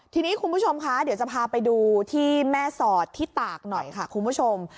ทีนี้คุณผู้ชมคะเดี๋ยวจะพาไปดูที่แม่สอดที่ตากหน่อยค่ะคุณผู้ชม